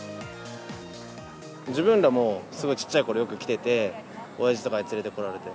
自分らもすごい小っちゃいころよく来てて、親父とかに連れてこられて。